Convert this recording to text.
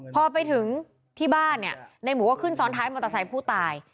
พอไปถึงที่บ้านเนี่ยในหมูก็ขึ้นซ้อนท้ายมอเตอร์ไซค์ผู้ตาย